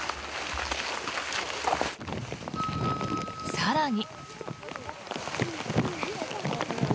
更に。